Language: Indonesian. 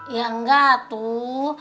ya enggak atuh